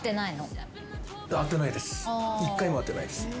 一回も会ってないです。